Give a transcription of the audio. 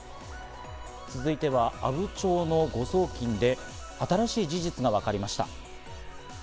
続いては、阿武町の誤送金で新しい事実がわかりました。